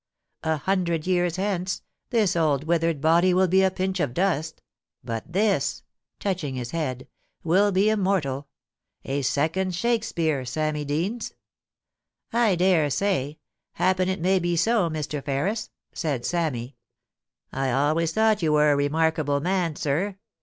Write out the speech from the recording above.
... A hundred years hence, this old withered body will be a pinch of dust ; but this,' touching his head, * will be im mortal — a second Shakespeare, Sammy Deans.' * I dare say. Happen it may be so, Mr. Ferris,' said Sammy. *I always thought you were a remarkable man, sir.